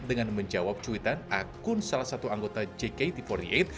dengan menjawab cuitan akun salah satu anggota jkt empat puluh delapan